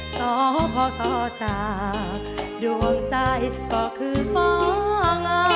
ต่อพ่อส่อจากดวงใจก็คือฟ้าหลัง